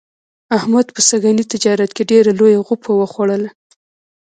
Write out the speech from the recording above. احمد په سږني تجارت کې ډېره لویه غوپه و خوړله.